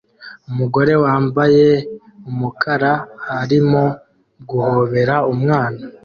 Umugore wambaye umukara arimo guhobera umwana